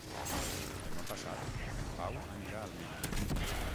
Demà passat en Pau anirà al metge.